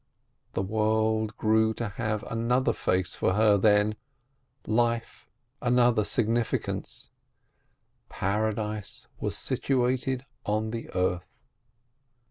The world grew to have another face for her then, life, another significance, Paradise was situated on the earth.